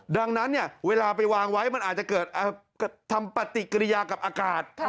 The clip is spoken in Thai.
ดังนั้นเนี่ยเวลาไปวางไว้มันอาจจะเกิดทำปฏิกิริยากับอากาศ